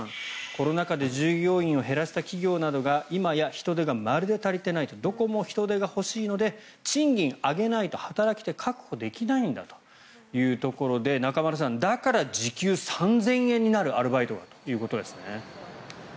コロナ禍で従業員を減らした企業などは今や人手がまるで足りていないとどこも人手が欲しいので賃金を上げないと働き手を確保できないんだというところで中丸さん、だから時給３０００円になるアルバイトがということですね。